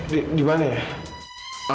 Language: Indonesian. di dimana ya